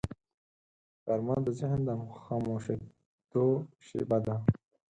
غرمه د ذهن د خاموشیدو شیبه ده